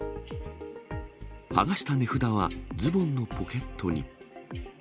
剥がした値札はズボンのポケットに。